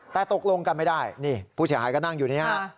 แต่ตกลงกันไม่ได้นี่ผู้ชายก็นั่งอยู่นี่ครับ